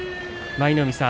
舞の海さん